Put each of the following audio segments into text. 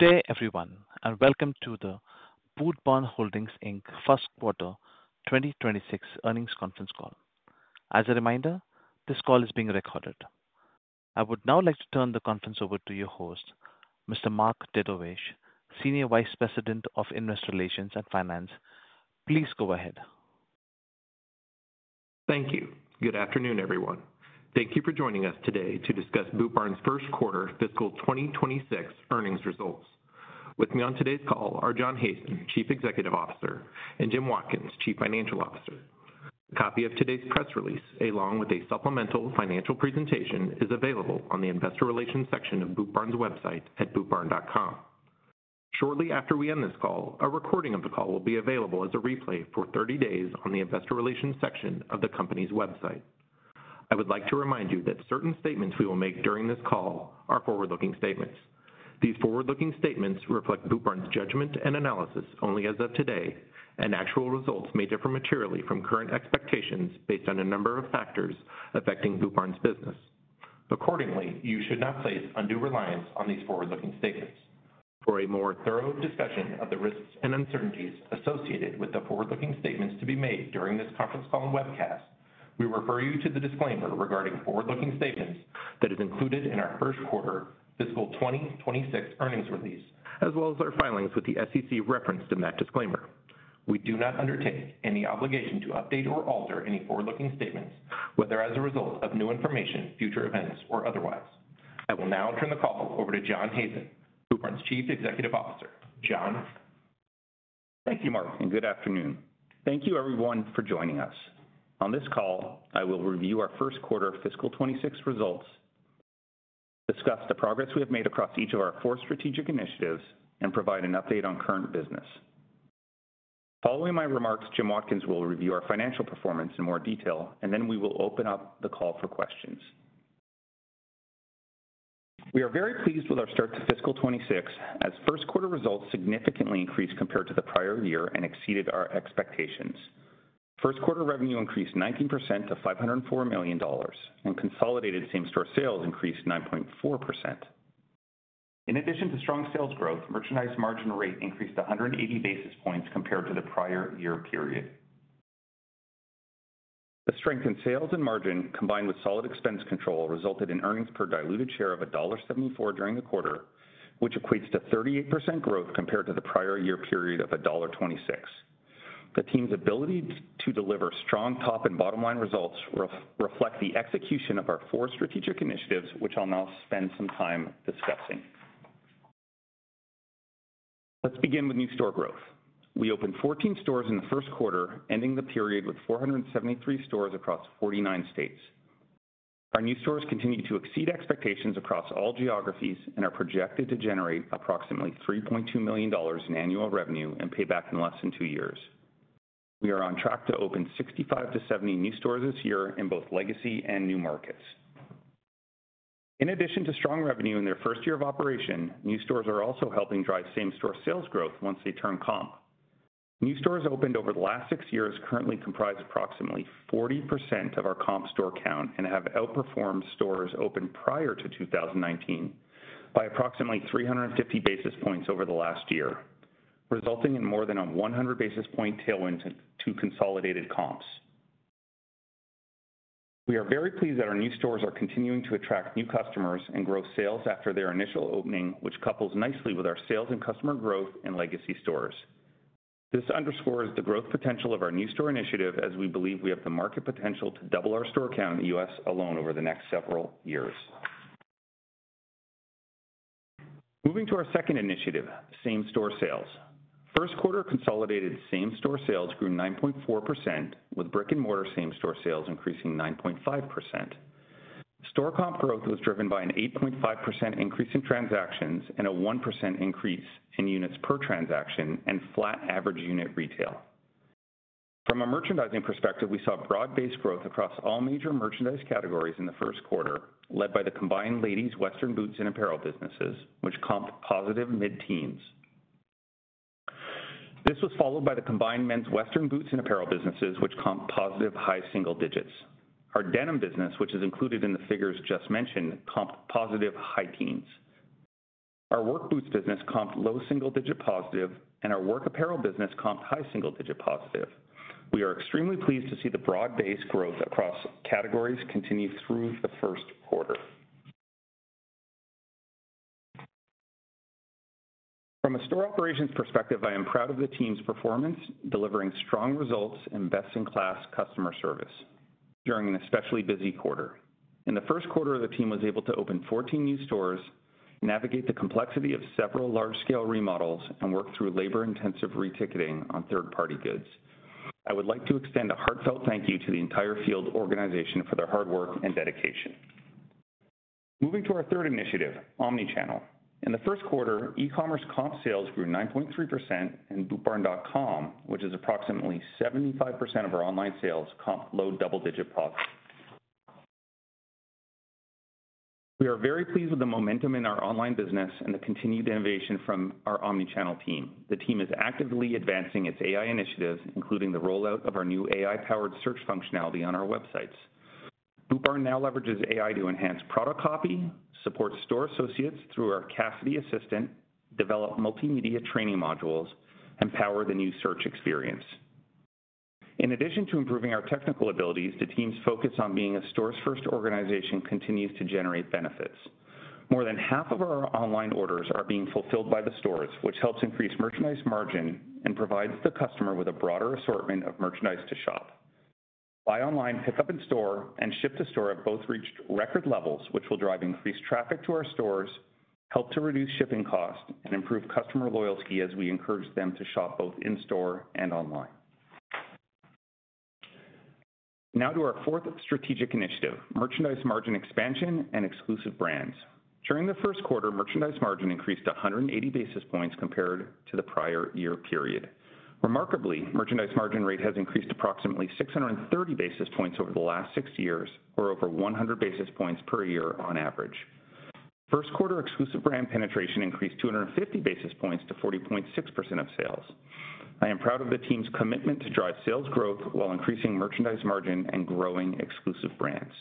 Good day everyone and welcome to the Boot Barn Holdings, Inc first quarter 2026 earnings conference call. As a reminder, this call is being recorded. I would now like to turn the conference over to your host, Mr. Mark Dedovesh, Senior Vice President of Investor Relations and Finance. Please go ahead. Thank you. Good afternoon, everyone. Thank you for joining us today discuss Boot Barn's first quarter fiscal 2026 earnings results with me on today's call are John Hazen, Chief Executive Officer, and Jim Watkins, Chief Financial Officer. A copy of today's press release along a supplemental financial presentation is available on the Investor Relations section of Boot Barn's website at bootbarn.com shortly after we end this call, a recording of the call will be available as a replay for 30 days on the Investor Relations section of the company's website. I would like to remind you that certain statements we will make during this call are forward looking statements. These forward looking statements reflect Boot Barn's judgment and analysis only as of today, and actual results may differ materially from current expectations based on a number of factors affecting Boot Barn's business. Accordingly, you should not place undue reliance on these forward looking statements. For a more thorough discussion of the risks and uncertainties associated with the forward-looking statements to be made during this conference call and webcast. We refer you to the disclaimer regarding forward-looking statements that is included in our first quarter fiscal 2026 earnings release as well as our filings with the SEC referenced in that disclaimer. We do not undertake any obligation to update or alter any forward-looking statements whether as a result of new information future events or otherwise. I will now turn the call over to John Hazen, Boot Barn's Chief Executive Officer. John, thank you Mark, and good afternoon. Thank you everyone for joining us on this call. I will review our first quarter fiscal 2026 results, discuss the progress we have made across each of our four strategic initiatives, and provide an update on current business. Following my remarks, Jim Watkins will review our financial performance in more detail, and then we will open up the call for questions. We are very pleased with our start. To fiscal 2026 as first quarter results significantly increased compared to the prior year and exceeded our expectations. First quarter revenue increased 19% to $504 million and consolidated same store sales increased 9.4%. In addition to strong sales growth, merchandise margin rate increased 180 basis points compared to the prior year period. The strength in sales and margin combined with solid expense control resulted in earnings per diluted share of $1.74 during the quarter, which equates to 38% growth compared to the prior year period of $1.26. The team's ability to deliver strong top and bottom line results reflects the execution of our four strategic initiatives, which I'll now spend some time discussing. Let's begin with new store growth. We opened 14 stores in the first quarter, ending the period with 473 stores across 49 states. Our new stores continue to exceed expectations across all geographies and are projected to generate approximately $3.2 million in annual revenue and pay back in less than two years. We are on track to open 65-70 new stores this year in both legacy and new markets. In addition to strong revenue in their first year of operation, new stores are also helping drive same store sales growth once they turn comp. New stores opened over the last six years currently comprise approximately 40% of our comp store count and have outperformed stores open prior to 2019 by approximately 350 basis points over the last year, resulting in more than a 100 basis point tailwind to consolidated comps. We are very pleased that our new stores are continuing to attract new customers and grow sales after their initial opening, which couples nicely with our sales and customer growth in legacy stores. This underscores the growth potential of our new store initiative as we believe we have the market potential to double our store count in the U.S. alone over the next several years. Moving to our second initiative, same store sales, first quarter consolidated same store sales grew 9.4% with brick and mortar same store sales increasing 9.5%. Store comp growth was driven by an 8.5% increase in transactions and a 1% increase in units per transaction and flat average unit retail. From a merchandising perspective, we saw broad-based growth across all major merchandise categories in the first quarter, led by the combined ladies, Western, boots and apparel businesses, which comped positive mid-teens. This was followed by the combined men's Western, boots and apparel businesses which comped positive high single digits. Our denim business, which is included in the figures just mentioned, comped positive high teens. Our work boots business comped low single digit positive and our work apparel business comped high single digit positive. We are extremely pleased to see the broad-based growth across categories continue through the first quarter. From a store operations perspective, I am proud of the team's performance, delivering strong results and best-in-class customer service during an especially busy quarter. In the first quarter, the team was able to open 14 new stores, navigate the complexity of several large-scale remodels, and work through labor-intensive reticketing on third-party goods. I would like to extend a heartfelt thank you to the entire field organization for their hard work and dedication. Moving to our third initiative, omnichannel, in the first quarter e-commerce comp sales grew 9.3% and bootbarn.com, which is approximately 75% of our online sales, comped low double digit positive. We are very pleased with the momentum in our online business and the continued innovation from our omnichannel team. The team is actively advancing its AI initiatives, including the rollout of our new AI-powered search functionality on our websites. Boot Barn now leverages AI to enhance product copy, support store associates through our Cassidy assistant, develop multimedia training modules, and power the new search experience. In addition to improving our technical abilities, the team's focus on being a store's first organization continues to generate benefits. More than half of our online orders are being fulfilled by the stores, which helps increase merchandise margin and provides the customer with a broader assortment of merchandise to shop, buy online. Buy online pick up in store and ship to store have both reached record levels, which will drive increased traffic to our stores, help to reduce shipping costs, and improve customer loyalty as we encourage them to shop both in store and online. Now to our fourth strategic initiative, merchandise margin expansion and exclusive brands. During the first quarter, merchandise margin increased 180 basis points compared to the prior year period. Remarkably, merchandise margin rate has increased approximately 630 basis points over the last six years or over 100 basis points per year on average. First quarter exclusive brand penetration increased 250 basis points to 40.6% of sales. I am proud of the team's commitment to drive sales growth while increasing merchandise margin and growing exclusive brands.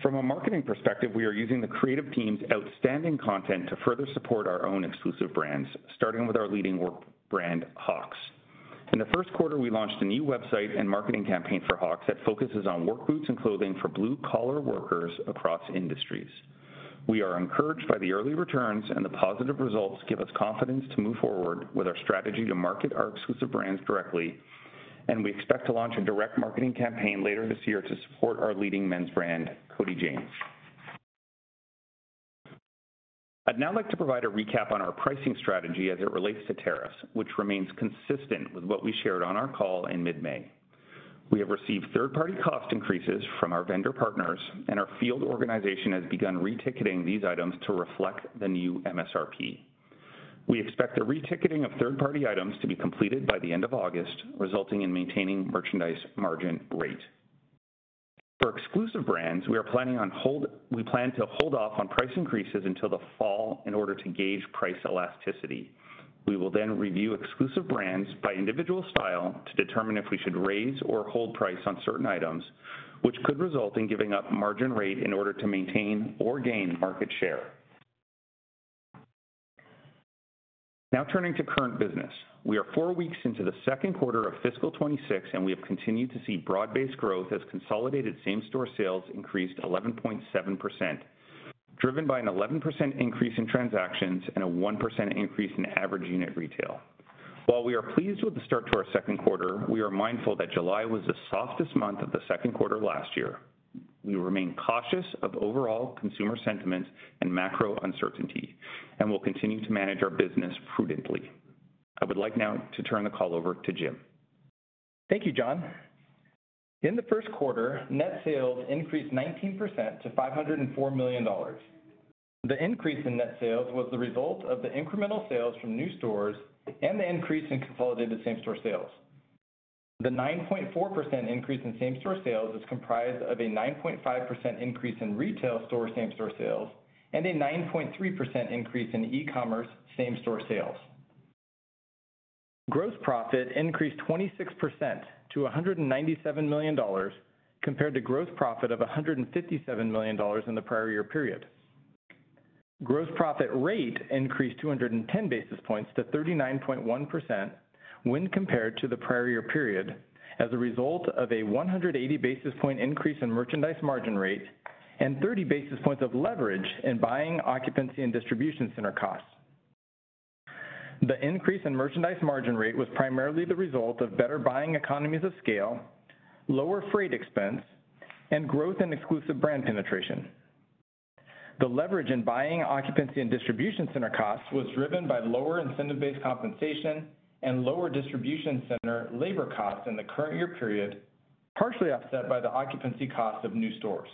From a marketing perspective, we are using the creative team's outstanding content to further support our own exclusive brands, starting with our leading work brand Hawx. In the first quarter, we launched a new website and marketing campaign for Hawx that focuses on work boots and clothing for blue collar workers across industries. We are encouraged by the early returns and the positive results give us confidence to move forward with our strategy to market our exclusive brands directly, and we expect to launch a direct marketing campaign later this year to support our leading men's brand, Cody James. I'd now like to provide a recap on our pricing strategy as it relates to tariffs, which remains consistent with what we shared on our call in mid May. We have received third party cost increases from our vendor partners, and our field organization has begun reticketing these items to reflect the new MSRP. We expect the reticketing of third party items to be completed by the end of August, resulting in maintaining merchandise margin rate for exclusive brands. We plan to hold off on price increases until the fall in order to gauge price elasticity. We will then review exclusive brands by individual style to determine if we should raise or hold price on certain items, which could result in giving up margin rate in order to maintain or gain market share. Now turning to current business, we are four weeks into the second quarter of fiscal 2026, and we have continued to see broad based growth as consolidated same store sales increased 11.6%, driven by an 11% increase in transactions and a 1% increase in average unit retail. While we are pleased with the start to our second quarter, we are mindful that July was the softest month of the second quarter last year. We remain cautious of overall consumer sentiment and macro uncertainty and will continue to manage our business prudently. I would like now to turn the call over to Jim. Thank you John. In the first quarter. Net sales increased 19% to $504 million. The increase in net sales was the result of the incremental sales from new stores and the increase in consolidated same store sales. The 9.4% increase in same store sales is comprised of a 9.5% increase in retail store same store sales and a 9.3% increase in e-commerce same store sales. Gross profit increased 26% to $197 million compared to gross profit of $157 million in the prior year period. Gross profit rate increased 210 basis points to 39.1% when compared to the prior year period as a result of a 180 basis point increase in merchandise margin rate and 30 basis points of leverage in buying, occupancy, and distribution center costs. The increase in merchandise margin rate was primarily the result of better buying economies of scale, lower freight expense, and growth in exclusive brand penetration. The leverage in buying, occupancy, and distribution center costs was driven by lower incentive-based compensation and lower distribution center labor costs in the current year period, partially offset by the occupancy cost of new stores.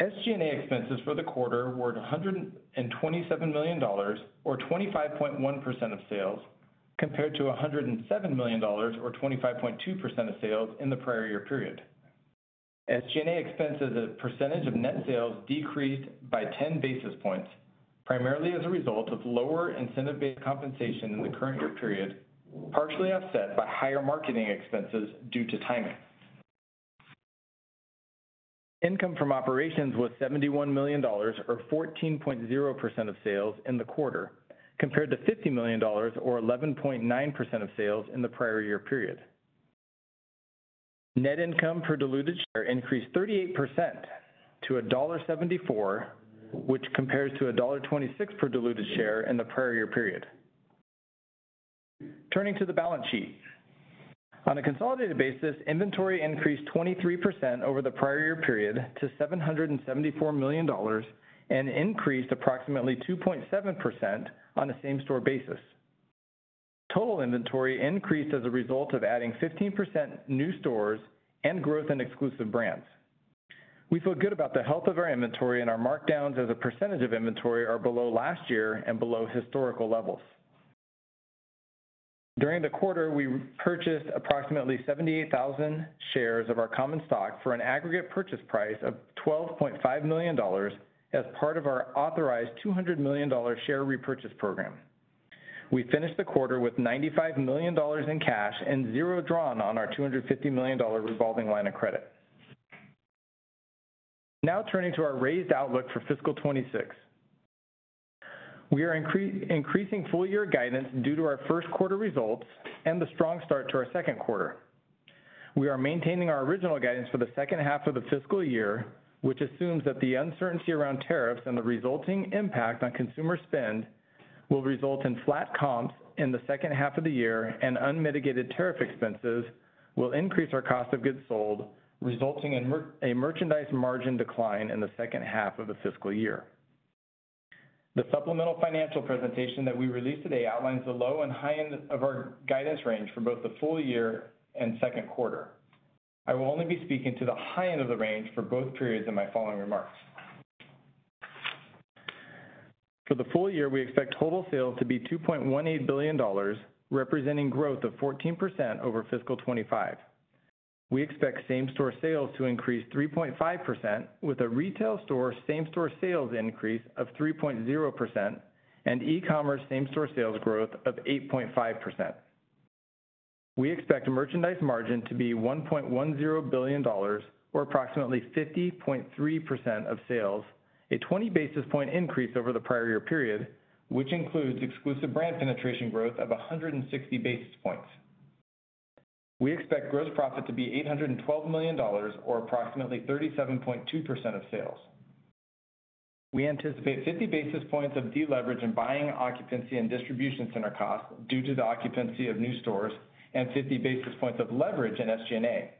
SG&A expenses for the quarter were $127 million or 25.1% of sales compared to $107 million or 25.2% of sales in the prior year period. SG&A expense as a percentage of net sales decreased by 10 basis points primarily as a result of lower incentive-based compensation in the current year period, partially offset by higher marketing expenses due to timing. Income from operations was $71 million, or 14.0% of sales in the quarter compared to $50 million, or 11.9% of sales in the prior year period. Net income per diluted share increased 38% to $1.74, which compares to $1.26 per diluted share in the prior year. Turning to the balance sheet, on a consolidated basis, inventory increased 23% over the prior year period to $774 million and increased approximately 2.7% on a same store basis. Total inventory increased as a result of adding 15% new stores and growth in exclusive brands. We feel good about the health of our inventory and our markdowns as a percentage of inventory are below last year and below historical levels. During the quarter, we purchased approximately 78,000 shares of our common stock for an aggregate purchase price of $12.5 million as part of our authorized $200 million share repurchase program. We finished the quarter with $95 million in cash and $0 drawn on our $250 million revolving line of credit. Now, turning to our raised outlook for fiscal 2026, we are increasing full year guidance due to our first quarter results and the strong start to our second quarter. We are maintaining our original guidance for the second half of the fiscal year, which assumes that the uncertainty around tariffs and the resulting impact on consumer spend will result in flat comps in the second half of the year, and unmitigated tariff expenses will increase our cost of goods sold, resulting in a merchandise margin decline in the second half of the fiscal year. The Supplemental Financial Presentation that we released today outlines the low and high end of our guidance range for both the full year and second quarter. I will only be speaking to the high end of the range for both periods in my following remarks. For the full year, we expect total sales to be $2.18 billion, representing growth of 14% over fiscal 2025. We expect same store sales to increase 3.5%, with a retail store same store sales increase of 3.0% and e-commerce same store sales growth of 8.5%. We expect merchandise margin to be $1.10 billion, or approximately 50.3% of sales, a 20 basis point increase over the prior year period, which includes exclusive brand penetration growth of 160 basis points. We expect gross profit to be $812 million, or approximately 37.2% of sales. We anticipate 50 basis points of deleverage in buying, occupancy, and distribution center costs due to the occupancy of new stores, and 50 basis points of leverage in SG&A.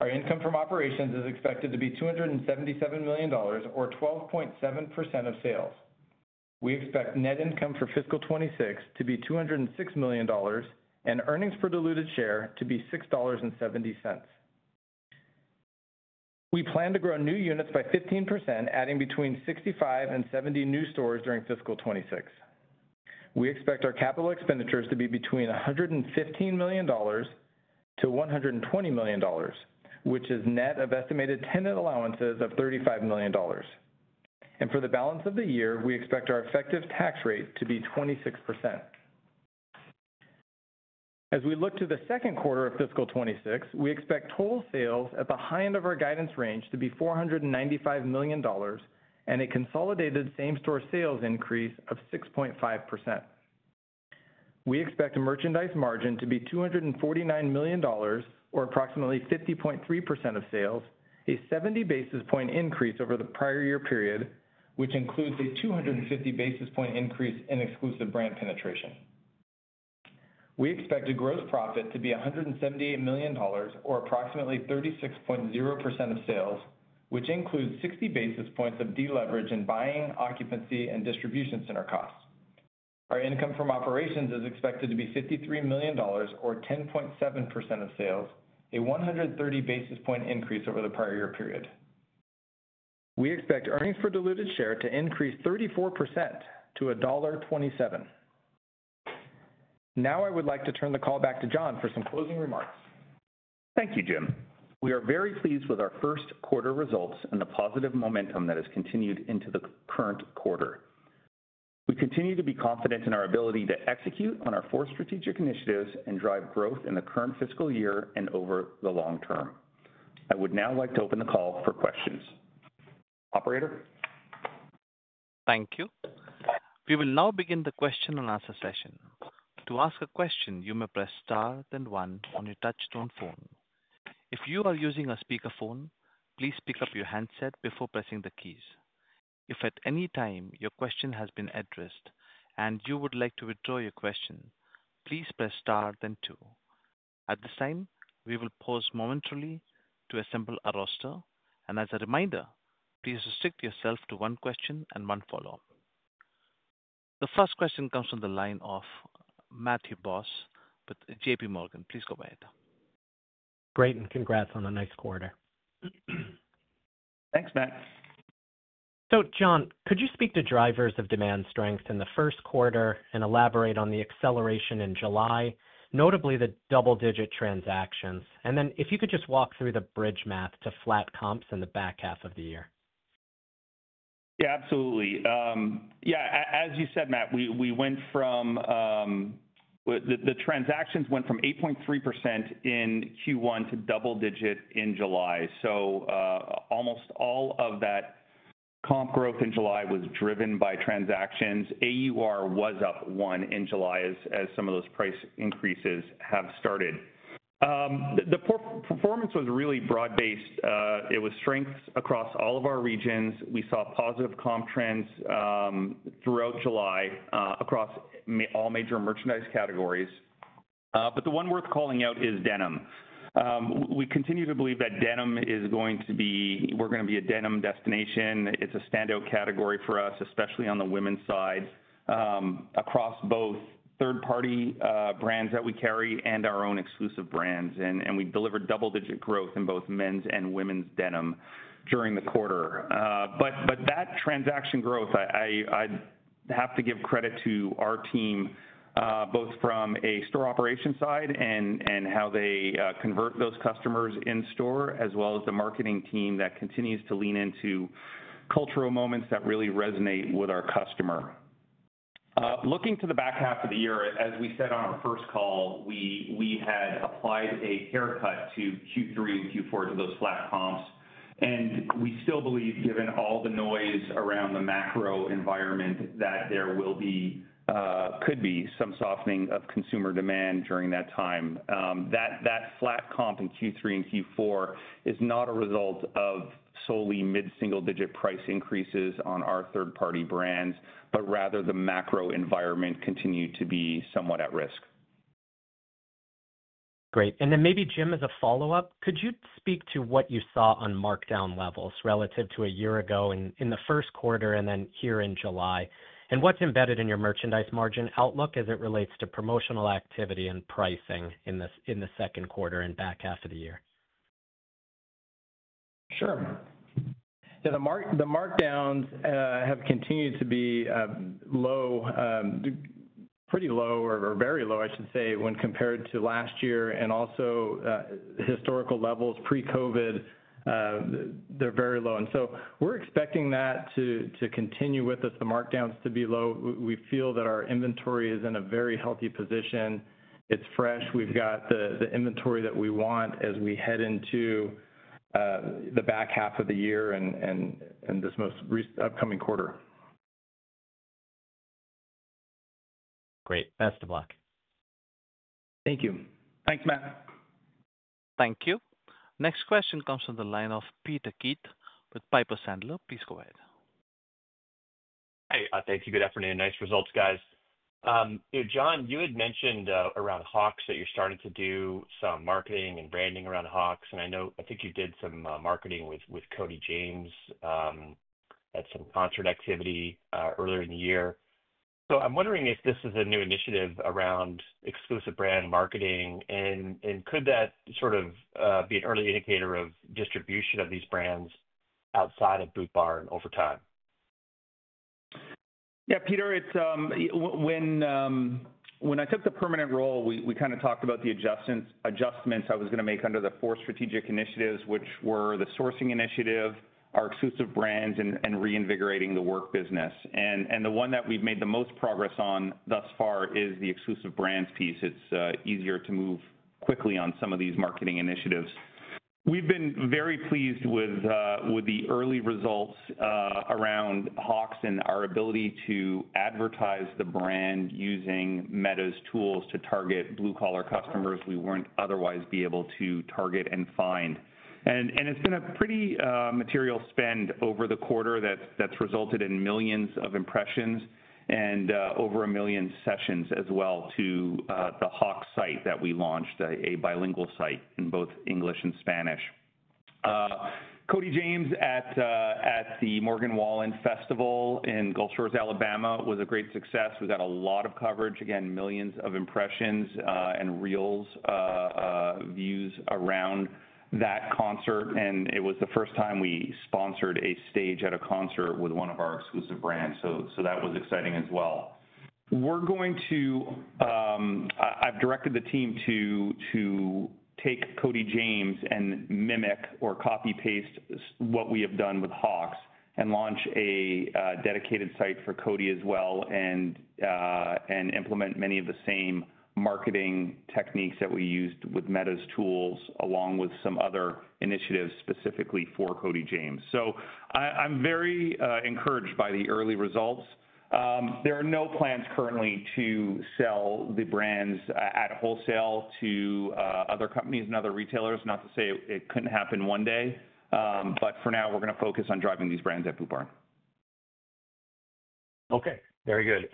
Our income from operations is expected to be $277 million, or 12.7% of sales. We expect net income for fiscal 2026 to be $206 million and earnings per diluted share to be $6.70. We plan to grow new units by 15%, adding between 65 and 70 new stores during fiscal 2026. We expect our capital expenditures to be between $115 million-$120 million, which is net of estimated tenant allowances of $35 million. For the balance of the year, we expect our effective tax rate to be 26%. As we look to the second quarter of fiscal 2026, we expect total sales at the high end of our guidance range to be $495 million and a consolidated same store sales increase of 6.5%. We expect merchandise margin to be $249 million, or approximately 50.3% of sales, a 70 basis point increase over the prior year period, which includes a 250 basis point increase in exclusive brand penetration. We expect gross profit to be $178 million or approximately 36.0% of sales, which includes 60 basis points of deleverage in buying, occupancy, and distribution center costs. Our income from operations is expected to be $53 million or 10.7% of sales, a 130 basis point increase over the prior year period. We expect earnings per diluted share to increase 34% to $1.27. Now I would like to turn the call back to John for some closing remarks. Thank you, Jim. We are very pleased with our first quarter results and the positive momentum that has continued into the current quarter. We continue to be confident in our ability to execute on our four strategic initiatives and drive growth in the current fiscal year and over the long term. I would now like to open the call for questions. Operator. Thank you. We will now begin the question and answer session. To ask a question, you may press star then one on your touch tone phone. If you are using a speakerphone, please pick up your handset before pressing the keys. If at any time your question has been addressed and you would like to withdraw your question, please press star then two. At this time, we will pause momentarily to assemble a roster. As a reminder, please restrict yourself to one question and one follow up. The first question comes from the line of Matt Boss with JPMorgan. Please go ahead. Great, and congrats on a nice quarter. Thanks, Matt. John, could you speak to drivers of demand strength in the first quarter and elaborate on the acceleration in July, notably the double digit transactions? If you could just walk through the bridge math to flat comps in the back half of the year. Yeah, absolutely, yeah. As you said, Matt, we went from the transactions went from 8.3% in Q1 to double digit in July. Almost all of that comp growth in July was driven by transactions. AUR was up 1% in July as some of those price increases have started. The performance was really broad based. It was strength across all of our regions. We saw positive comp trends throughout July across all major merchandise categories. The one worth calling out is denim. We continue to believe that denim is going to be, we're going to be a denim destination. It's a standout category for us, especially on the women's side across both third party brands that we carry and our own exclusive brands. We delivered double digit growth in both men's and women's denim during the quarter. That transaction growth, I have to give credit to our team both from a store operation side and how they convert those customers in store as well as the marketing team that continues to lean into cultural moments that really resonate with our customer. Looking to the back half of the year, as we said on our first call, we had applied a haircut to Q3 and Q4 to those flat comps and we still believe given all the noise around the macro environment that there could be some softening of consumer demand during that time. That flat comp in Q3 and Q4 is not a result of solely mid single digit price increases on our third party brands, but rather the macro environment continued to be somewhat at risk. Great. Jim, as a follow up, could you speak to what you saw on markdown levels relative to a year ago in the first quarter and then here in July, and what's embedded in your merchandise margin outlook as it relates to promotional activity and pricing in the second quarter and back half of the year? Sure. The markdowns have continued to be low, pretty low or very low, I should say, when compared to last year and also historical levels pre-COVID. They're very low. We are expecting that to continue with us, the markdowns to be low. We feel that our inventory is in a very healthy position. It's fresh. We've got the inventory that we want as we head into the back half of the year and this most recent upcoming quarter. Great. Best of luck. Thank you. Thank you. Next question comes from the line of Peter Keith with Piper Sandler. Please go ahead. Hey, thank you. Good afternoon. Nice results, guys. John, you had mentioned around Hawx that you're starting to do some marketing and branding around Hawx, and I know, I think you did some marketing with Cody James, had some concert activity earlier in the year. I'm wondering if this is a new initiative around exclusive brand marketing, and could that sort of be an early indicator of distribution of these brands outside of Boot Barn over time? Yeah, Peter, when I took the permanent role we kind of talked about the adjustments I was going to make under the four strategic initiatives, which were the sourcing initiative, our exclusive brands, and reinvigorating the work business. The one that we've made the most progress on thus far is the exclusive brands piece. It's easier to move quickly on some of these marketing initiatives. We've been very pleased with the early results around Hawx and our ability to advertise the brand using Meta's tools to target blue collar customers we wouldn't otherwise be able to target and find. It's been a pretty material spend over the quarter that's resulted in millions of impressions and over a million sessions as well to the Hawx site. We launched a bilingual site in both English and Spanish. Cody James at the Morgan Wallen Festival in Gulf Shores, Alabama was a great success. We got a lot of coverage, again millions of impressions and reels views around that concert, and it was the first time we sponsored a stage at a concert with one of our exclusive brands. That was exciting as well. I've directed the team to take Cody James and mimic or copy paste what we have done with Hawx and launch a dedicated site for Cody as well and implement many of the same marketing techniques that we used with Meta's tools along with some other initiatives specifically for Cody James. I'm very encouraged by the early results. There are no plans currently to sell the brands at wholesale to other companies and other retailers. Not to say it couldn't happen one day, but for now we're going to focus on driving these brands at Boot Barn. Okay, very good.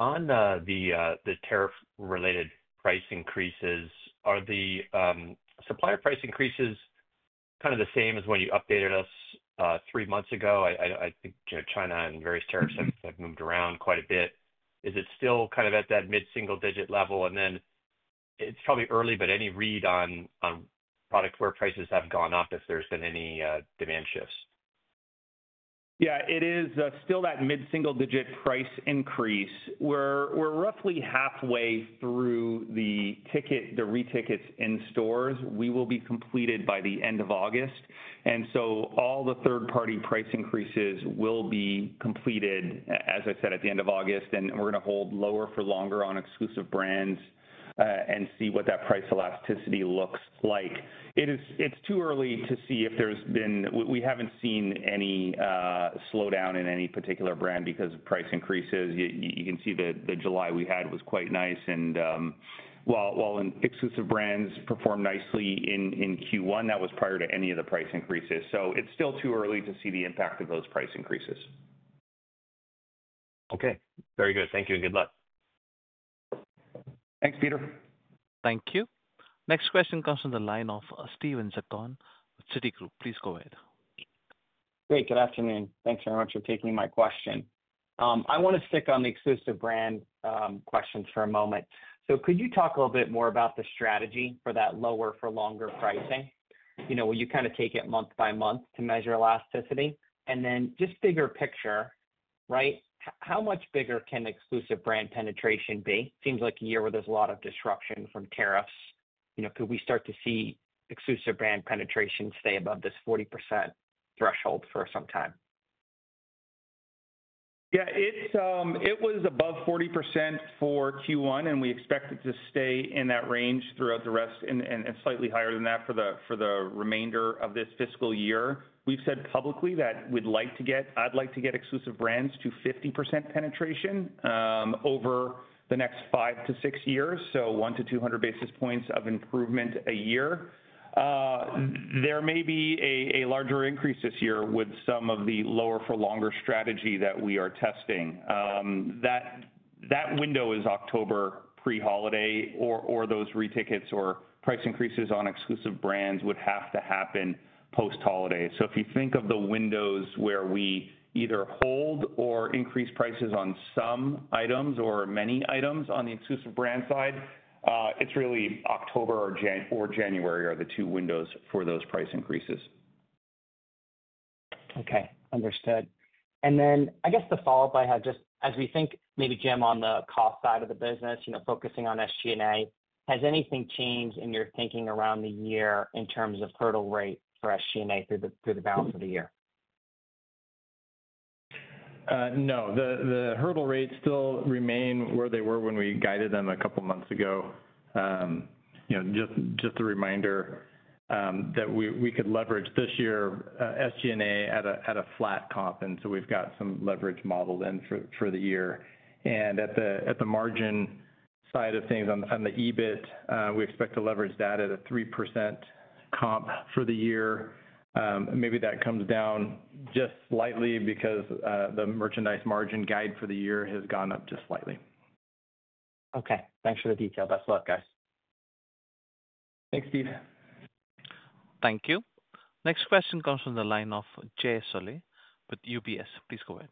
On the tariff related price increases, are the supplier price increases kind of the same as when you updated us three months ago? I think China and various tariffs have moved around quite a bit. Is it still kind of at that mid single digit level? It's probably early, but any read on product where prices have gone up if there's been any demand shifts? Yeah, it is still that mid single digit price increase. We're roughly halfway through the retickets in stores. We will be completed by the end of August. All the third party price increases will be completed, as I said, at the end of August. We're going to hold lower for longer on exclusive brands and see what that price elasticity looks like. It's too early to see if there's been, we haven't seen any slowdown in any particular brand because of price increases. You can see that the July we had was quite nice. While exclusive brands performed nicely in Q1, that was prior to any of the price increases. It's still too early to see the impact of those price increases. Okay, very good. Thank you. Good luck. Thanks Peter. Thank you. Next question comes from the line of Steven Zaccone with Citi. Please go ahead. Great. Good afternoon. Thanks very much for taking my question. I want to stick on the exclusive brand questions for a moment. Could you talk a little bit more about the strategy for that lower for longer pricing, when you kind of take it month by month to measure elasticity, and then just bigger picture, right, how much bigger can exclusive brand penetration be? Seems like a year where there's a lot of disruption from tariffs. Could we start to see exclusive brand penetration stay above this 40% threshold for some time? Yeah, it was above 40% for Q1, and we expect it to stay in that range throughout the rest and slightly higher than that for the remainder of this fiscal year. We've said publicly that we'd like to get, I'd like to get exclusive brands to 50% penetration over the next five to six years. So 100-200 basis points of improvement a year. There may be a larger increase this year with some of the lower for longer strategy that we are testing. That window is October pre-holiday, or those retickets or price increases on exclusive brands would have to happen post-holidays. If you think of the windows where we either hold or increase prices on some items or many items on the exclusive brand side, it's really October or January are the two windows for those price increases. Okay, understood. I guess the follow up I had just as we think maybe Jim, on the cost side of the business, you know, focusing on SG&A, has anything changed in your thinking around the year in terms of hurdle rate for SG&A through the balance of the year? No, the hurdle rates still remain where they were when we guided them a couple months ago. Just a reminder that we could leverage this year SGA at a flat comp, and so we've got some leverage modeled in for the year. At the margin side of things on the EBIT, we expect to leverage that at a 3% comp for the year. Maybe that comes down just slightly because the merchandise margin guide for the year has gone up just slightly. Okay, thanks for the detail. Best of luck, guys. Thank you. Next question comes from the line of Jay Sole with UBS. Please go ahead.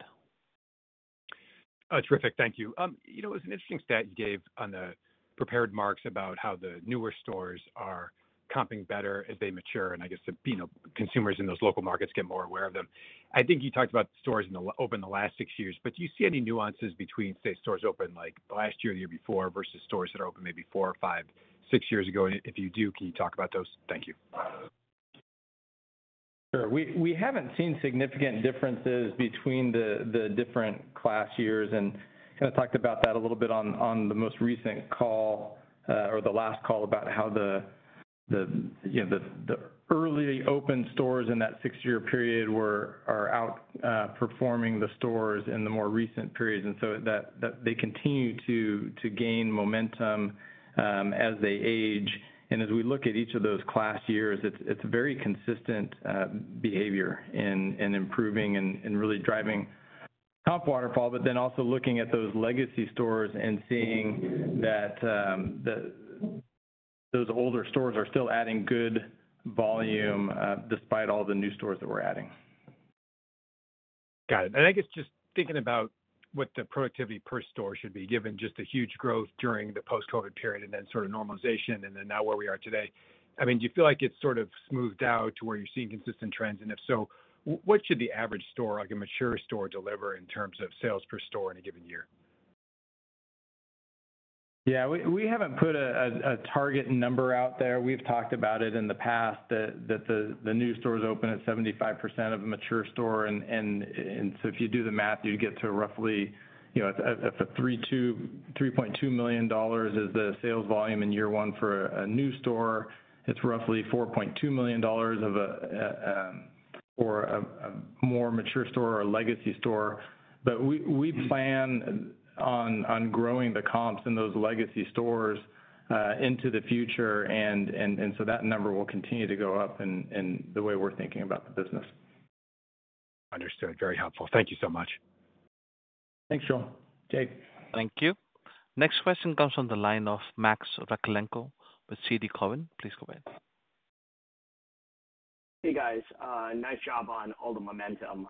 Terrific. Thank you. It was an interesting stat you gave on the prepared remarks about how the newer stores are comping better as they mature, and I guess consumers in those local markets get more aware of them. I think you talked about stores open the last six years, but do you see any nuances between, say, stores open last year or the year before versus stores that are open maybe four, five, six years ago? If you do, can you talk about those? Thank you. Sure. We haven't seen significant differences between the different class years. I talked about that a little bit on the most recent call or the last call about how the early open stores in that six year period were outperforming the stores in the more recent periods, and they continue to gain momentum as they age. As we look at each of those class years, it's very consistent behavior in improving and really driving comp waterfall, also looking at those legacy stores and seeing that those older stores are still adding good volume despite all the new stores that we're adding. Got it. I guess just thinking about what the productivity per store should be given just a huge growth during the post-Covid period and then sort of normalization and then now where we are today, do you feel like it's sort of smoothed out to where you're seeing consistent trends, and if so, what should the average store, like a mature store, deliver in terms of sales per store in a given year? Yeah, we haven't put a target number out there. We've talked about it in the past that the new stores open at 75% of a mature store, and if you do the math, you get to roughly $3.2 million as the sales volume in year one for a new store. It's roughly $4.2 million for a more mature store or a legacy store. We plan on growing the comps in those legacy stores into the future, so that number will continue to go up in the way we're thinking about the business. Understood. Very helpful. Thank you so much. Thank you. Next question comes from the line of Max Rakhlenko with TD Cowen. Please go ahead. Hey guys, nice job on all the momentum.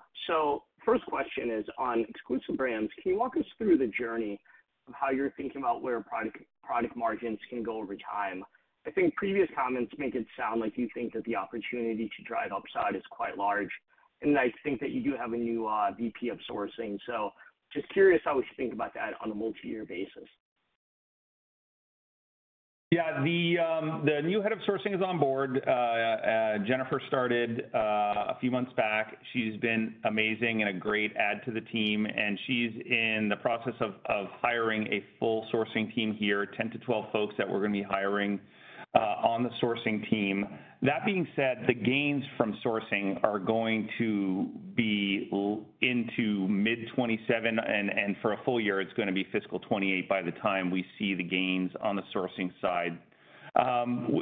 First question is on exclusive brands. Can you walk us through the journey of how you're thinking about where product margins can go over time? I think previous comments make it sound like you think that the opportunity to drive upside is quite large. I think that you do have a new VP of sourcing. Just curious how we should think about that on a multi-year basis. Yeah, the new Head of Sourcing is on board. Jennifer started a few months back. She's been amazing and a great add to the team, and she's in the process of sourcing, hiring a full sourcing team here, 10-12 folks that we're going to be hiring on the sourcing team. That being said, the gains from sourcing are going to be into mid 2027, and for a full year it's going to be fiscal 2028. By the time we see the gains on the sourcing side,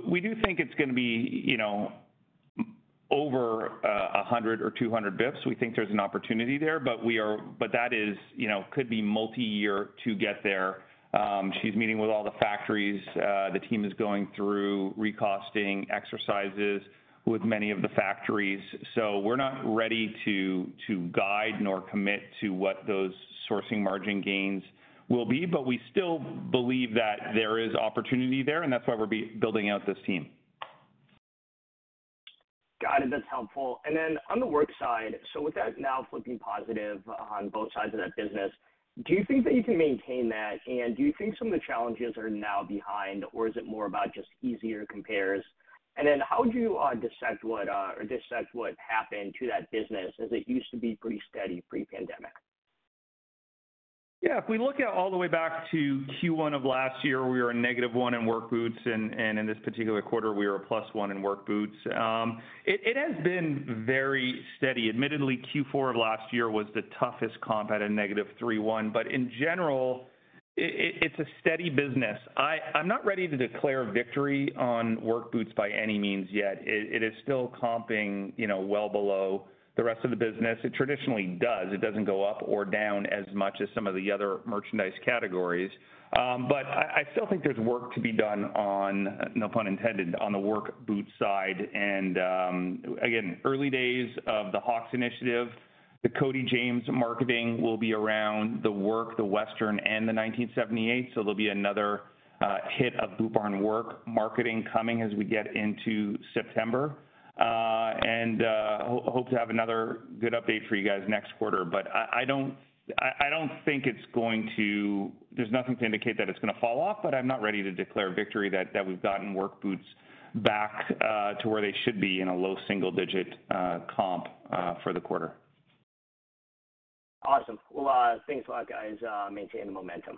we do think it's going to be over 100 or 200 basis points. We think there's an opportunity there, but that is, you know, could be multi year. To get there, she's meeting with all the factories. The team is going through recasting exercises with many of the factories. We're not ready to guide nor commit to what those sourcing margin gains will be. We still believe that there is opportunity there, and that's why we're building out this team. Got it. That's helpful. On the work side, with that now flipping positive on both sides of that business, do you think that you can maintain that, and do you think some of the challenges are now behind, or is it more about just easier compares? How would you dissect what happened to that business as it used to be pretty steady pre pandemic? Yeah. If we look all the way back to Q1 of last year, we were a -1% in work boots, and in this particular quarter we were a +1% in work boots. It has been very steady. Admittedly, Q4 of last year was the toughest comp at a -3.1%, but in general it's a steady business. I'm not ready to declare victory on work boots by any means yet. It is still comping well below the rest of the business; it traditionally does. It doesn't go up or down as much as some of the other merchandise categories, but I still think there's work to be done, no pun intended, on the work boot side. Again, early days of the Hawx initiative, the Cody James marketing will be around the work, the western, and the 1978. There'll be another hit of Boot Barn work marketing coming as we get into September, and hope to have another good update for you guys next quarter. I don't think there's anything to indicate that it's going to fall off, but I'm not ready to declare victory that we've gotten work boots back to where they should be in a low single digit comp for the quarter. Awesome. Thanks a lot, guys. Maintain the momentum.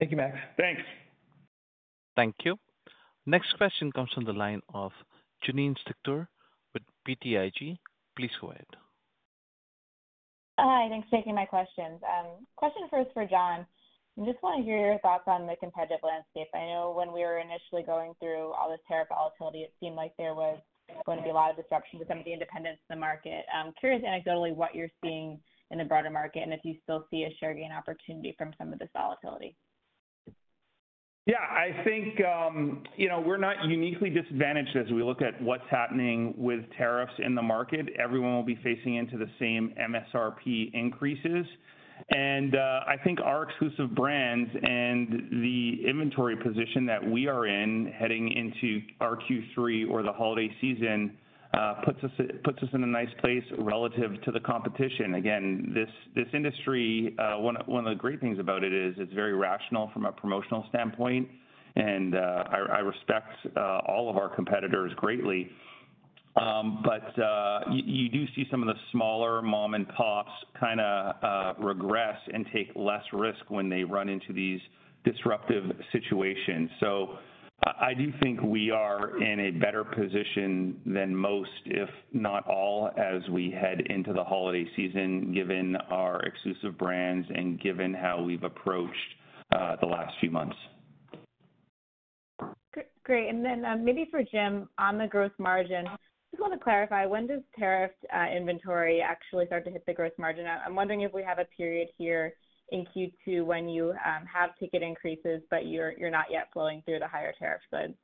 Thank you. Next question comes from the line of Janine Stichter with BTIG. Please go ahead. Hi. Thanks for taking my questions. Question first for John. I just want to hear your thoughts on the competitive landscape. I know when we were initially going through all this tariff volatility, it seemed like there was going to be a lot of disruption to some of the independents in the market. I'm curious anecdotally what you're seeing in the broader market and if you still see a share gain opportunity from some of this volatility. Yeah, I think, you know, we're not uniquely disadvantaged as we look at what's happening with tariffs in the market. Everyone will be facing into the same MSRP increases. I think our exclusive brands and the inventory position that we are in heading into our Q3 or the holiday season puts us in a nice place relative to the competition. This industry, one of the great things about it is it's very rational from a promotional standpoint and I respect all of our competitors greatly. You do see some of the smaller mom and pops kind of regress and take less risk when they run into these disruptive situations. I do think we are in a better position than most, if not all, as we head into the holiday season given our exclusive brands and given how we've approached the last few months. Great. Maybe for Jim, on the gross margin, just want to clarify, when does tariff inventory actually start to hit the gross margin? I'm wondering if we have a period here in Q2 when you have ticket increases but you're not yet flowing through the higher tariff goods.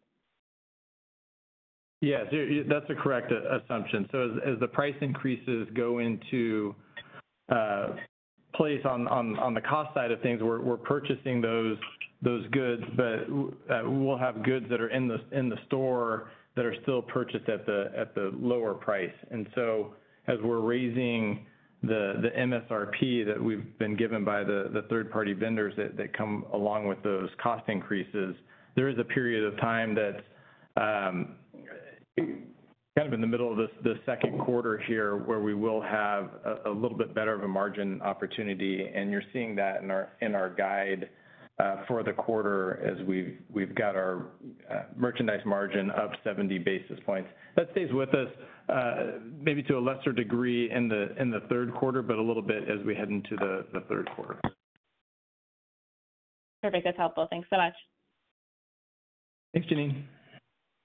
Yes, that's a correct assumption. As the price increases go into place on the cost side of things, we're purchasing those goods, but we'll have goods that are in the store that are still purchased at the lower price. As we're raising the MSRP that we've been given by the third party vendors that come along with those cost increases, there is a period of time that kind of in the middle of the second quarter here where we will have a little bit better of a margin opportunity. You're seeing that in our guide for the quarter as we've got our merchandise margin of 70 basis points. That stays with us maybe to a lesser degree in the third quarter, but a little bit as we head into the third quarter. Perfect, that's helpful. Thanks so much.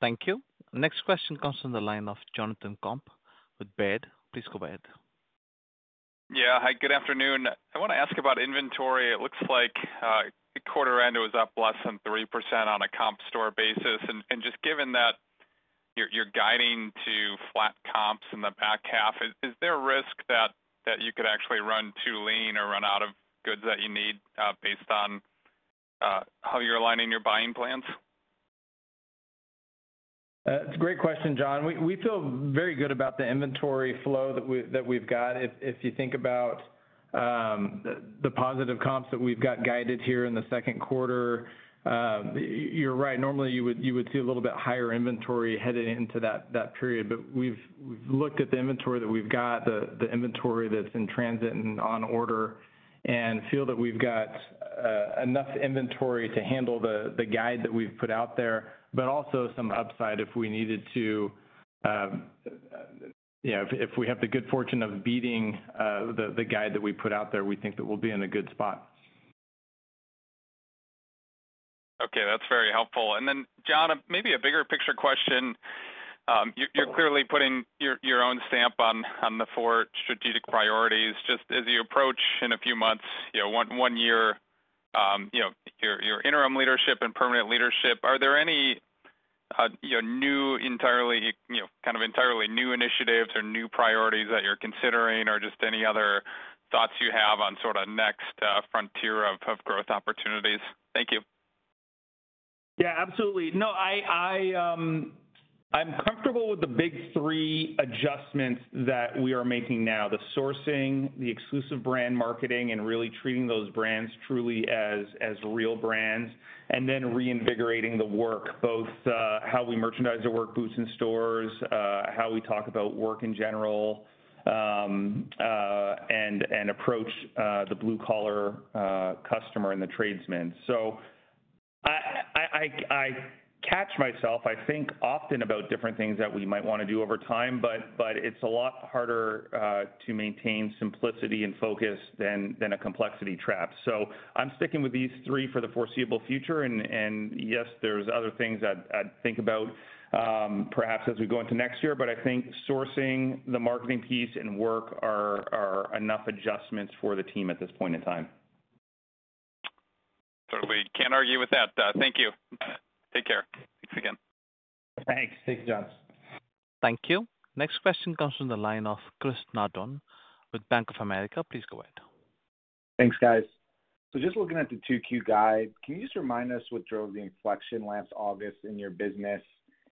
Thank you. Next question comes from the line of Jonathan Komp with Baird. Please go ahead. Yeah, hi, good afternoon. I want to ask about inventory. It looks like quarter end was up less than 3% on a comp store basis. Just given that you're guiding to flat comps in the back half, is there a risk that you could actually run too lean or run out of goods that you need based on how you're aligning your buying plans? That's a great question, John. We feel very good about the inventory flow that we've got. If you think about the positive comps that we've got guided here in the second quarter, you're right, normally you would see a little bit higher inventory headed into that period. We've looked at the inventory that we've got, the inventory that's in transit and on order, and feel that we've got enough inventory to handle the guide that we've put out there. Also, some upside if we needed to, if we have the good fortune of beating the guide that we put out there, we think that we'll be in a good spot. Okay, that's very helpful. John, maybe a bigger picture question. You're clearly putting your own stamp on the four strategic priorities. As you approach, in a few months, one year, your interim leadership and permanent leadership, are there any new, entirely kind of entirely new initiatives or new priorities that you're considering or just any other thoughts you have on sort of next frontier of growth opportunities? Thank you. Yeah, absolutely. No, I'm comfortable with the big three adjustments that we are making now: the sourcing, the exclusive brand marketing, and really treating those brands truly as real brands, and then reinvigorating the work, both how we merchandise our work boots in stores, how we talk about work in general, and approach the blue collar customer and the tradesman. I catch myself, I think, often about different things that we might want to do over time, but it's a lot harder to maintain simplicity and focus than a complexity trap. I'm sticking with these three for the foreseeable future. Yes, there are other things to think about, perhaps as we go into next year. I think sourcing, the marketing piece, and work are enough adjustments for the team at this point in time. We can't argue with that. Thank you. Take care. Thanks again. Thanks. Thanks, John. Thank you. Next question comes from the line of Chris Nardone with Bank of America. Please go ahead. Thanks, guys. Looking at the 2Q guide, can you remind us what drove the inflection last August in your business?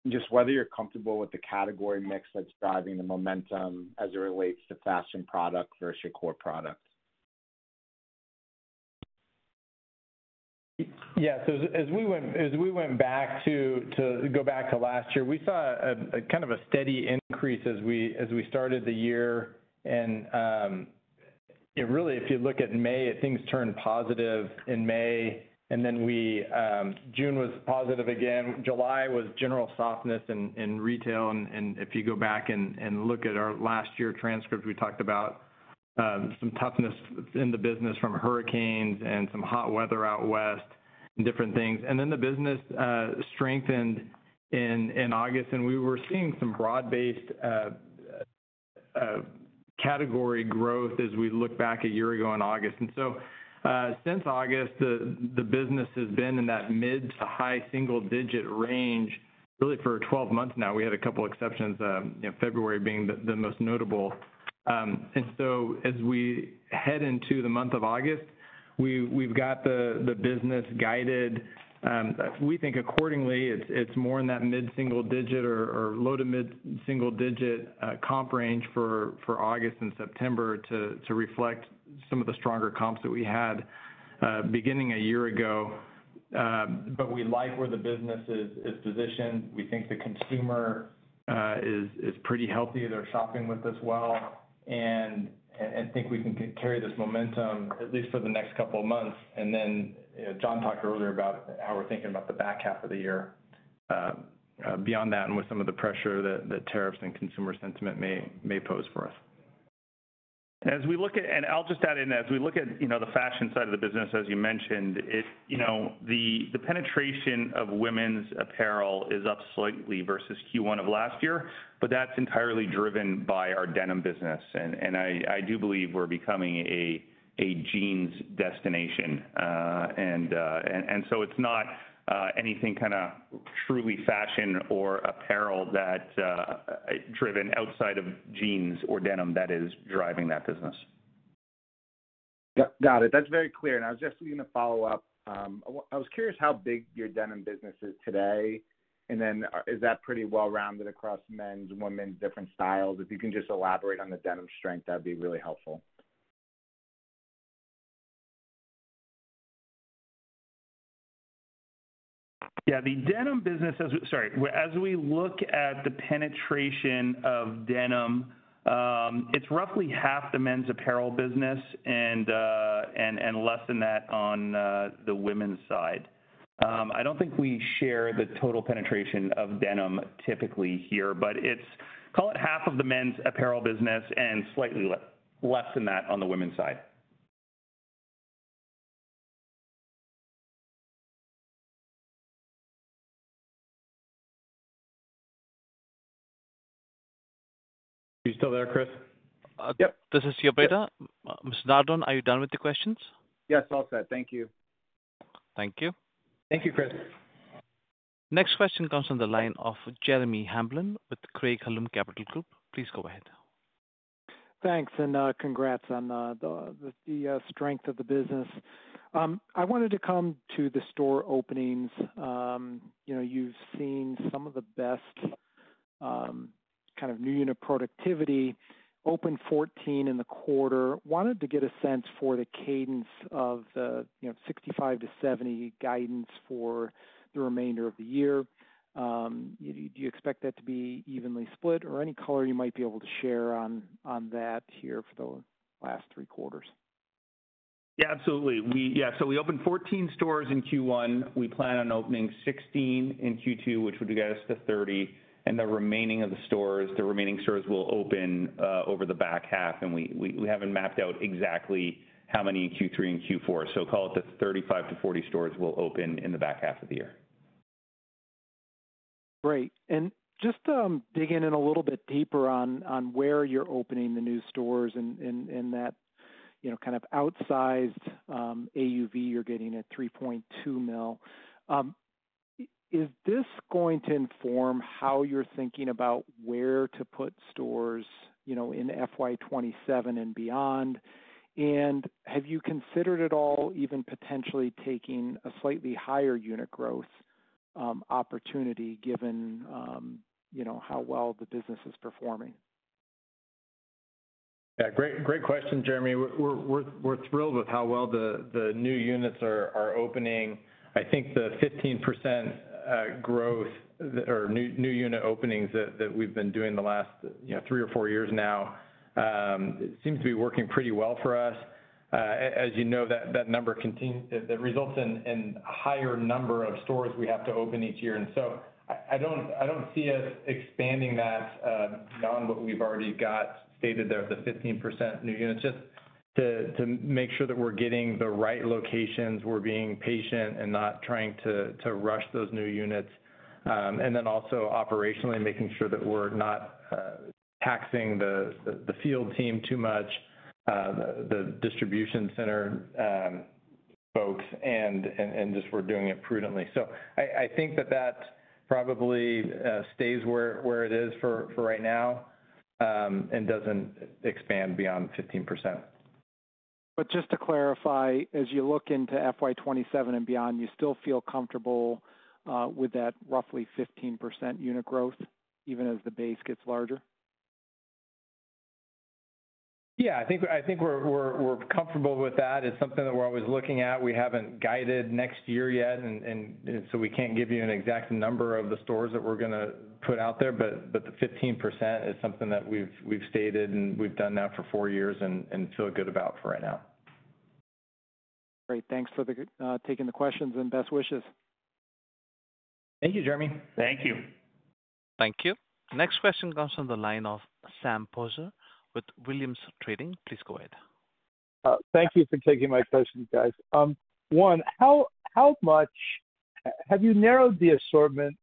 Are you comfortable with the category mix that's driving the momentum as it relates to fashion product versus your core product? Yes, as we went back to last year, we saw kind of a steady increase as we started the year. If you look at May, things turned positive in May. June was positive again. July was general softness in retail. If you go back and look at our last year transcript, we talked about some toughness in the business from hurricanes and some hot weather out west, different things. The business strengthened in August and we were seeing some broad based category growth as we look back a year ago in August. Since August, the business has been in that mid to high single digit range really for 12 months now. We had a couple exceptions, February being the most notable. As we head into the month of August, we've got the business guided, we think accordingly. It's more in that mid single digit or low to mid single digit comp range for August and September to reflect some of the stronger comps that we had beginning a year ago. We like where the business is positioned. We think the consumer is pretty healthy. They're shopping with us. I think we can carry this momentum at least for the next couple of months. John talked earlier about how we're thinking about the back half of the year beyond that, and with some of the pressure that tariffs and consumer sentiment may pose for us. Sentiment may pose for us as we look at the fashion side of the business. I'll just add in, as we look at the fashion side of the business, as you mentioned, the penetration of women's apparel is up slightly versus Q1 of last year. That's entirely driven by our denim business. I do believe we're becoming a jeans destination. It's not anything truly fashion or apparel driven outside of jeans or denim that is driving that business. Got it. That's very clear. I was just going to follow up. I was curious how big your denim business is today. Is that pretty well rounded across men's, women's, different styles? If you can just elaborate on the denim strength, that'd be really helpful. Yeah. The denim business. As we look at the penetration of denim, it's roughly half the men's apparel business and less than that on the women's side. I don't think we share the total penetration of denim typically here, but it's, call it, half of the men's apparel business and slightly less than that on the women's side. You still there, Chris? Yes. This is Siobeta. Mr. Nardone, are you done with the questions? Yes, all set. Thank you. Thank you. Thank you, Chris. Next question comes from the line of Jeremy Hamblin with Craig-Hallum Capital Group. Please go ahead. Thanks. Congrats on the strength of the business. I wanted to come to the store openings. You've seen some of the best kind of new unit productivity, open 14 in the quarter. Wanted to get a sense for the cadence of the 65-70 guidance for the remainder of the year. Do you expect that to be evenly split or any color you might be able to share on that here for the last three quarters? Yeah, absolutely. We opened 14 stores in Q1. We plan on opening 16 in Q2, which would get us to 30. The remaining stores will open over the back half, and we haven't mapped out exactly how many in Q3 and Q4. Call it the 35-40 stores will open in the back half of the year. Great. Just digging in a little bit deeper on where you're opening the new stores in that kind of outsized AUV you're getting at $3.2 million. Is this going to inform how you're thinking about where to put stores in FY 2027 and beyond? Have you considered at all even potentially taking a slightly higher unit growth opportunity given how well the business is performing? Great question, Jeremy. We're thrilled with how well the new units are opening. I think the 15% growth or new unit openings that we've been doing the last three or four years now seems to be working pretty well for us. As you know, that number results in a higher number of stores we have to open each year. I don't see us expanding that beyond what we've already got stated there, the 15% new units. Just to make sure that we're getting the right locations, we're being patient and not trying to rush those new units, and also operationally making sure that we're not taxing the field team too much, the distribution center folks, and just we're doing it prudently. I think that that probably stays where it is for right now and doesn't expand beyond 15%. Just to clarify, as you look into FY 2027 and beyond, you still feel comfortable with that roughly 15% unit growth even as the base gets larger? Yeah, I think we're comfortable with that. It's something that we're always looking at. We haven't guided next year yet, so we can't give you an exact number of the stores that we're going to put out there, but the 15% is something that we've stated and we've done that for four years and feel good. About for right now. Great. Thanks for taking the questions and best wishes. Thank you, Jeremy. Thank you. Thank you. Next question comes from the line of Sam Poser with Williams Trading. Please go ahead. Thank you for taking my question, guys. One, how much have you narrowed the assortment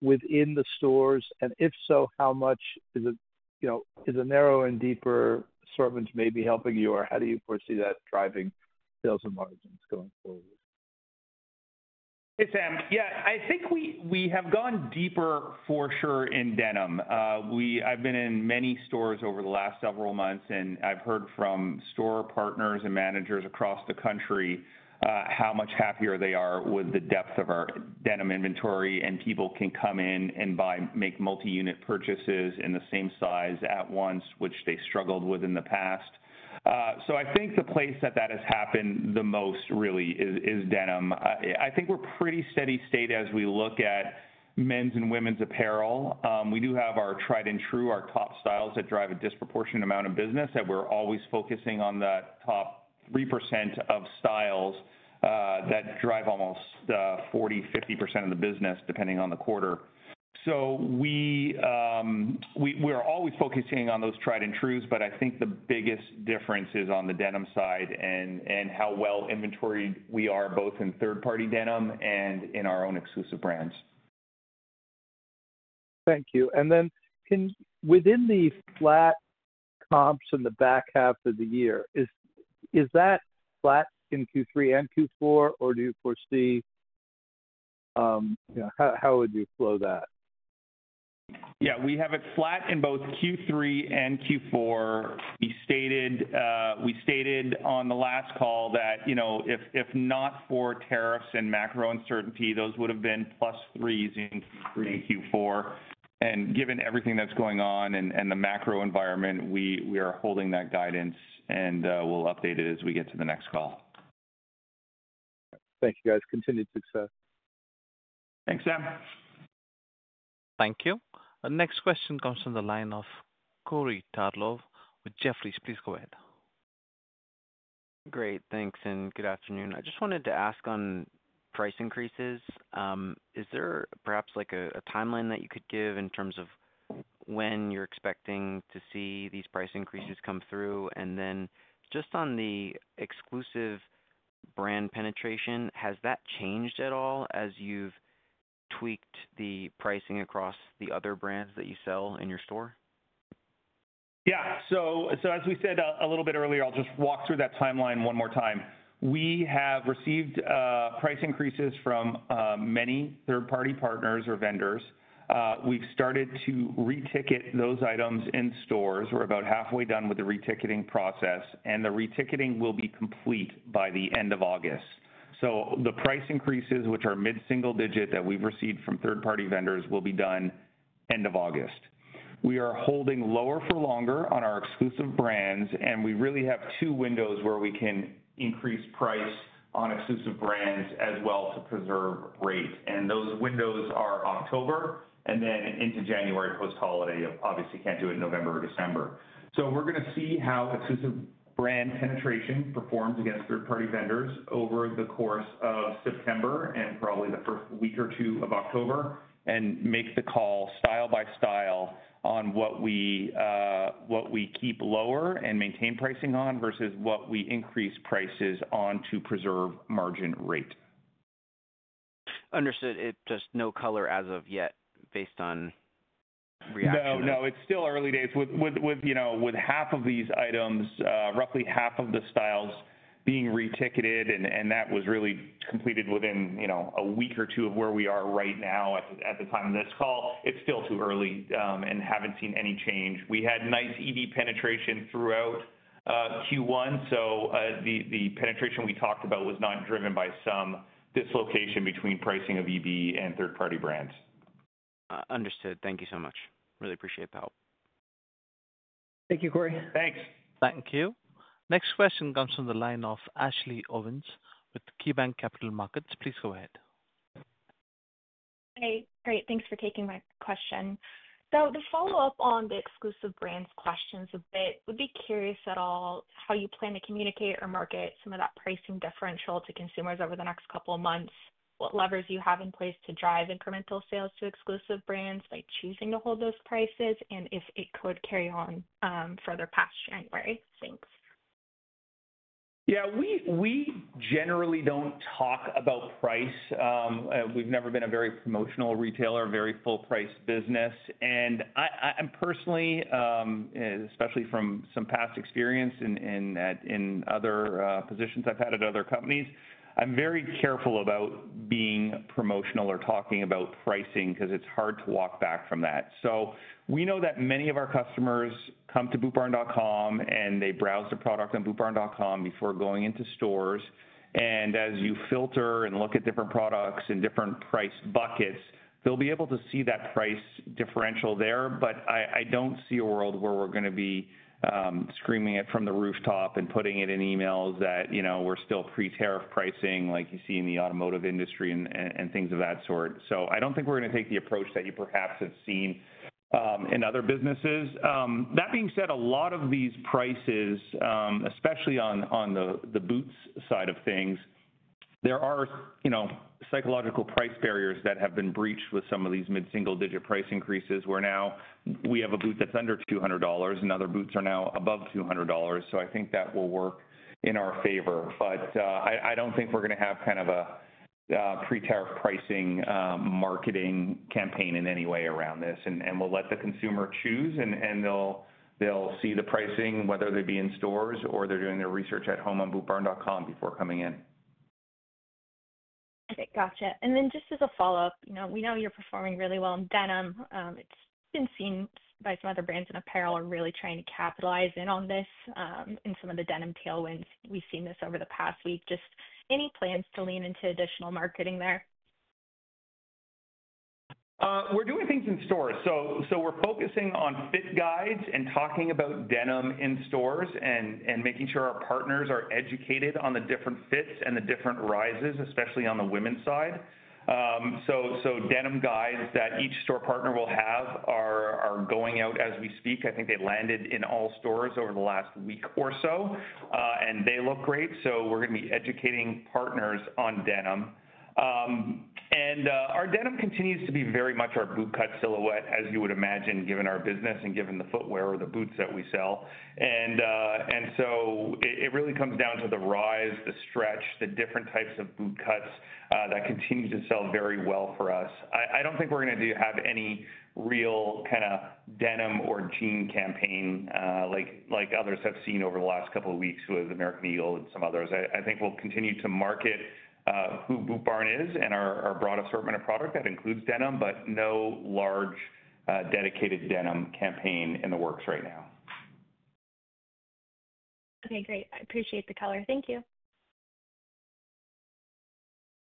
within the stores, and if so, how much is it? You know, is a narrow and deeper assortment maybe helping you, or how do you foresee that driving sales and margins going forward? Hey Sam. Yeah, I think we have gone deeper for sure in denim. I've been in many stores over the last several months, and I've heard from store partners and managers across the country how much happier they are with the depth of our denim inventory, and people can come in and buy, make multi-unit purchases in the same size at once, which they struggled with in the past. I think the place that that has happened the most really is denim. I think we're pretty steady state as we look at men's and women's apparel. We do have our tried and true, our top styles that drive a disproportionate amount of business, that we're always focusing on that top 3% of styles that drive almost 40%-50% of the business depending on the quarter. We are always focusing on those tried and trues. I think the biggest difference is on the denim side and well inventoried. We are both in third party denim and in our own exclusive brands. Thank you. Within the flat comps in the back half of the year, is that flat in Q3 and Q4, or do you foresee how would you flow that? Yeah, we have it flat in both Q3 and Q4. We stated on the last call that, you know, if not for tariffs and macro uncertainty, those would have been plus threes in Q4. Given everything that's going on and the macro environment, we are holding that guidance and we'll update it as we get to the next call. Thank you, guys. Continued success. Thanks Sam. Thank you. Next question comes from the line of Corey Tarlowe with Jefferies, please go ahead. Great, thanks and good afternoon. I just wanted to ask on price increases, is there perhaps like a timeline that you could give in terms of when you're expecting to see these price increases come through, and then just on the exclusive brand penetration, has that changed at all as you've tweaked the pricing across the other brands that you sell in your store? Yeah. As we said a little bit earlier, I'll just walk through that timeline one more time. We have received price increases from many third party partners or vendors. We've started to reticket those items in stores. We're about halfway done with the reticketing process, and the reticketing will be complete by the end of August. The price increases, which are mid single digit, that we've received from third party vendors will be done end of August. We are holding lower for longer on our exclusive brands, and we really have two windows where we can increase price on exclusive brands as well to preserve rate. Those windows are October and then into January post holiday. Obviously, can't do it in November or December. We're going to see how exclusive brand penetration performs against third party vendors over the course of September and probably the first week or two of October and make the call style by style on what we keep lower and maintain pricing on versus what we increase prices on to preserve margin rate. Understood. It just no color as of yet based on reaction? It's still early days with half of these items, roughly half of the styles being reticketed. That was really completed within a week or two of where we are right now at the time of this call. It's still too early and haven't seen any change. We had nice exclusive brand penetration throughout Q1, so the penetration we talked about was not driven by some dislocation between pricing of exclusive brands and third party brands. Understood. Thank you so much. Really appreciate the help. Thank you, Corey. Thanks. Thank you. Next question comes from the line of Ashley Owens with KeyBanc Capital Markets. Please go ahead. Great. Thanks for taking my question. To follow up on the exclusive brands questions a bit, would be curious at all how you plan to communicate or market some of that pricing differential to consumers over the next couple of months. What levers you have in place to drive incremental sales to exclusive brands by choosing to hold those prices, and if it could carry on further past January. Thanks. Yeah, we generally don't talk about price. We've never been a very promotional retailer, very full price business. Personally, especially from some past experience in other positions I've had at other companies, I'm very careful about being promotional or talking about pricing because it's hard to walk back from that. We know that many of our customers come to bootbarn.com and they browse the product on bootbarn.com before going into stores. As you filter and look at different products in different price buckets, they'll be able to see that price differential there. I don't see a world where we're going to be screaming it from the rooftop and putting it in emails that we're still pre-tariff pricing like you see in the automotive industry and things of that sort. I don't think we're going to take the approach that you perhaps have seen in other businesses. That being said, a lot of these prices, especially on the boots side of things, there are psychological price barriers that have been breached with some of these mid single digit price increases where now we have a boot that's under $200 and other boots are now above $200. I think that will work in our favor. I don't think we're going to have kind of a pre-tariff pricing marketing campaign in any way around this. We'll let the consumer choose and they'll see the pricing whether they be in stores or they're doing their research at home on bootbarn.com before coming in. Okay, gotcha. Just as a follow up, we know you're performing really well in denim. It's been seen by some other brands in apparel are really trying to capitalize in on this in some of the denim tailwinds. We've seen this over the past week. Any plans to lean into additional marketing there? We're doing things in stores, focusing on fit guides and talking about denim in stores, making sure our partners are educated on the different fits and the different rises, especially on the women's side. Denim guides that each store partner will have are going out as we speak. I think they landed in all stores over the last week or so. They look great. We're going to be educating partners on denim. Our denim continues to be very much our boot cut silhouette, as you would imagine given our business and given the footwear or the boots that we sell. It really comes down to the rise, the stretch, the different types of boot cuts that continue to sell very well for us. I don't think we're going to have any real kind of denim or jean campaign like others have seen over the last couple of weeks with American Eagle and some others. I think we'll continue to market who Boot Barn is and our broad assortment of product that includes denim, but no large dedicated denim campaign in the works right now. Okay, great. I appreciate the color. Thank you.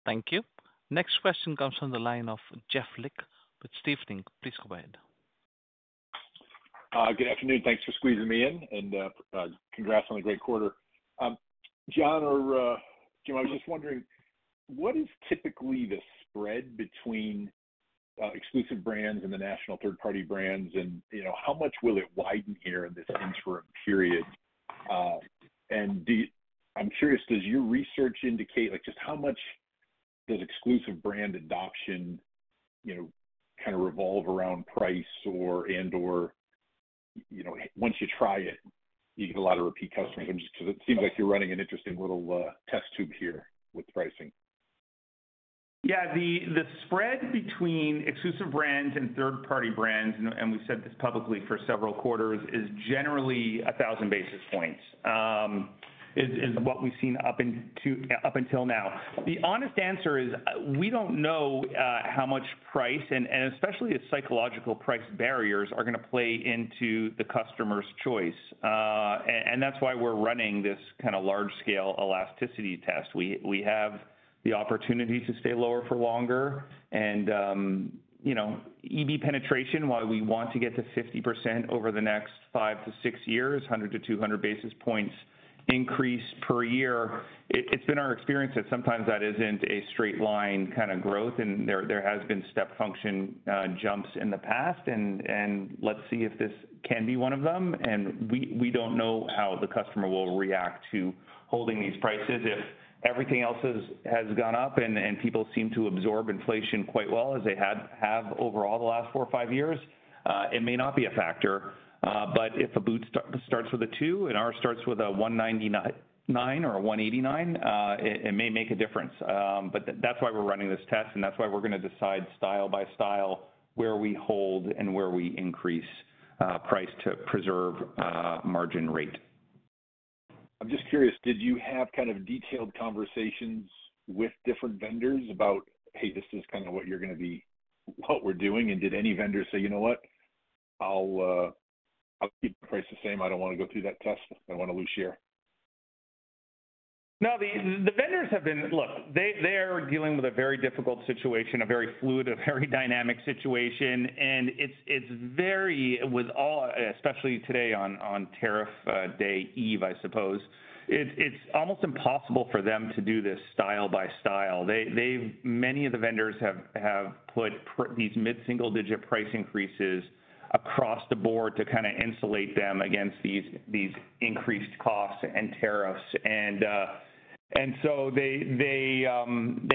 Thank you. Next question comes from the line of Jeff Lick. Stephen, please go ahead. Good afternoon. Thanks for squeezing me in and congrats on a great quarter. John or Jim, I was just wondering what is typically the spread between exclusive brands and the national third party brands, and how much will it widen here in this interim period? I'm curious, does your research indicate just how much exclusive brand adoption kind of revolves around price, or once you try it you get a lot of repeat customers? It seems like you're running an interesting little test tube here with pricing. Yeah. The spread between exclusive brands and third party brands, and we've said this publicly for several quarters, is generally 1,000 basis points is what we've seen up until now. The honest answer is we don't know how much price and especially the psychological price barriers are going to play into the customer's choice. That's why we're running this kind of large scale elasticity test. We have the opportunity to stay lower for longer and EB penetration. Why we want to get to 50% over the next five to six years, 100-200 basis points increase per year. It's been our experience that sometimes that isn't a straight line kind of growth and there have been step function jumps in the past. Let's see if this can be one of them. We don't know how the customer will react to holding these prices if everything else has gone up and people seem to absorb inflation quite well as they have overall the last four or five years, it may not be a factor. If a boot starts with a 2 and ours starts with a 199.99 or 189, it may make a difference. That's why we're running this test and that's why we're going to decide style by style, where we hold and where we increase price to preserve margin rate. I'm just curious, did you have kind of detailed conversations with different vendors about, hey, this is kind of what you're going to be, what we're doing. Did any vendors say, you know what, I'll price the same, I don't want to go through that test, I want to lose share. Now the vendors have been, look, they're dealing with a very difficult situation, a very fluid, a very dynamic situation. It's very, with all, especially today on tariff day eve, I suppose it's almost impossible for them to do this style by style. Many of the vendors have put these mid single digit price increases across the board to kind of insulate them against these increased costs and tariffs. They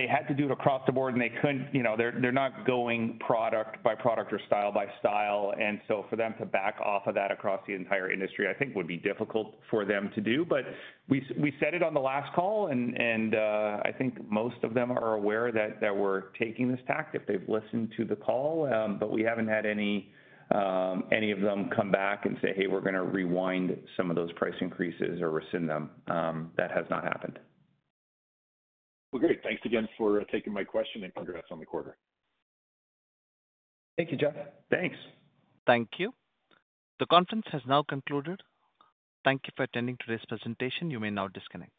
had to do it across the board and they couldn't. They're not going product by product or style by style. For them to back off of that across the entire industry I think would be difficult for them to do. We said it on the last call and I think most of them are aware that we're taking this tact if they've listened to the call. We haven't had any of them come back and say, hey, we're going to rewind some of those price increases or rescind them. That has not happened. Thank you again for taking my question and congrats on the quarter. Thank you, Jeff. Thanks. Thank you. The conference has now concluded. Thank you for attending today's presentation. You may now disconnect.